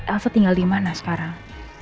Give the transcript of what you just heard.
elsa tinggal dimana sekarang